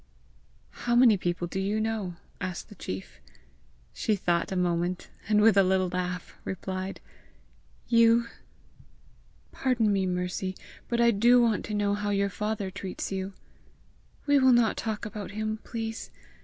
"How many people do you know?" asked the chief. She thought a moment, and with a little laugh, replied, "You." "Pardon me, Mercy, but I do want to know how your father treats you!" "We will not talk about him, please.